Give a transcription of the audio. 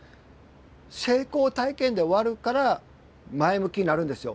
成功体験で終わるから前向きになるんですよ。